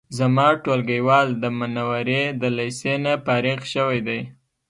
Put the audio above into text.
زما ټولګیوال د منورې د لیسې نه فارغ شوی دی